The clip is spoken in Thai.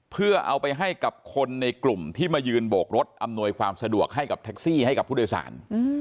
เพื่อเอาไปให้กับคนในกลุ่มที่มายืนโบกรถอำนวยความสะดวกให้กับแท็กซี่ให้กับผู้โดยสาร